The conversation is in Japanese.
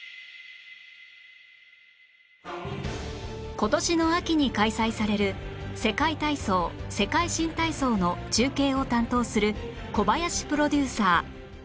今年の秋に開催される世界体操世界新体操の中継を担当する小林プロデューサー